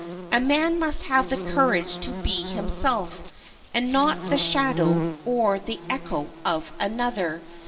A man must have the courage to be himself, and not the shadow or the echo of another.